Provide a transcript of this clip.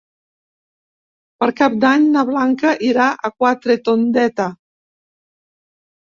Per Cap d'Any na Blanca irà a Quatretondeta.